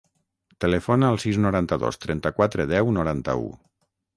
Telefona al sis, noranta-dos, trenta-quatre, deu, noranta-u.